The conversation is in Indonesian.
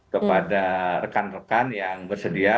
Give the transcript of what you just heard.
kepada rekan rekan yang bersedia